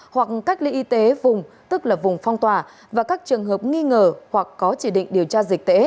hoặc cách ly y tế vùng tức là vùng phong tỏa và các trường hợp nghi ngờ hoặc có chỉ định điều tra dịch tễ